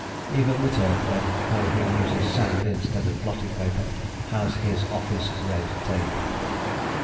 Even the Turk, then, though he uses sand instead of blotting paper, has his office "red tape"!